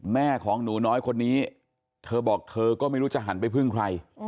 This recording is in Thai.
แม่ของหนูน้อยคนนี้เธอบอกเธอก็ไม่รู้จะหันไปพึ่งใคร